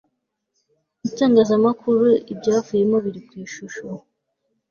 itangazamakuru ibyavuyemo biri ku ishusho